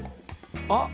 あっ！